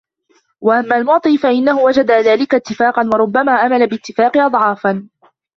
وَأَمَّا الْمُعْطِي فَإِنَّهُ وَجَدَ ذَلِكَ اتِّفَاقًا وَرُبَّمَا أَمَلَ بِالِاتِّفَاقِ أَضْعَافًا